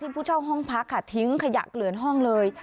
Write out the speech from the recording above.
ผู้เช่าห้องพักค่ะทิ้งขยะเกลือนห้องเลย